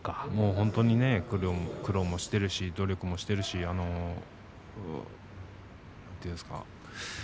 本当に苦労もしているし努力もしているしなんていうんですか